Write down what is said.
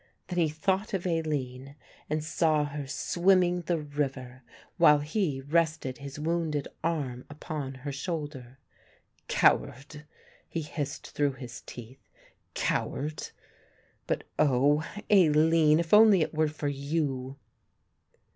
Then he thought of Aline and saw her swimming the river, while he rested his wounded arm upon her shoulder. "Coward," he hissed through his teeth, "coward. But oh, Aline, if only it were for you!"